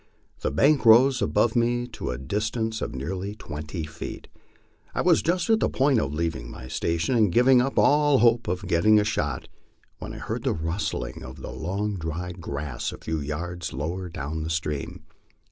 The bank rose above me to a distance of nearly twenty feet. I was just on the point of leaving my station and giving up all hope of getting a shot, when I heard the rustling of the long diy grass a few yards lower down the stream.